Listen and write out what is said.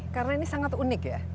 karena ini sangat unik ya